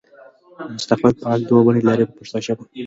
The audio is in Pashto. مستقبل فعل دوه بڼې لري په پښتو ژبه.